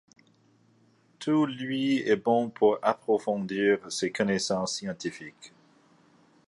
Tout lui est bon pour approfondir ses connaissances scientifiques.